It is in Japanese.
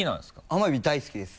甘エビ大好きです。